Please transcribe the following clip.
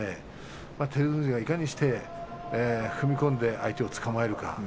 照ノ富士がいかにして踏み込んで相手をつかまえるか。